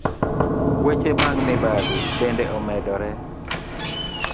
Weche mag mibadhi bende omedore.